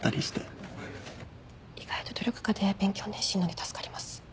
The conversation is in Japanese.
意外と努力家で勉強熱心なんで助かります。